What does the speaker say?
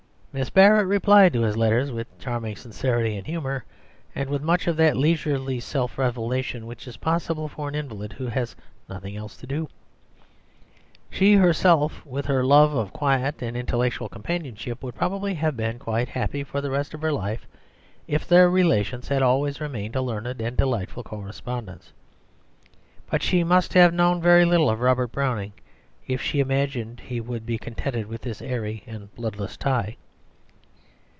Miss Barrett replied to his letters with charming sincerity and humour, and with much of that leisurely self revelation which is possible for an invalid who has nothing else to do. She herself, with her love of quiet and intellectual companionship, would probably have been quite happy for the rest of her life if their relations had always remained a learned and delightful correspondence. But she must have known very little of Robert Browning if she imagined he would be contented with this airy and bloodless tie.